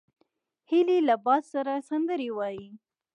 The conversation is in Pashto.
هیلۍ له باد سره سندرې وايي